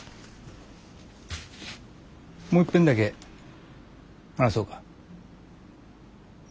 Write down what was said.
もういっぺんだけ話そうか。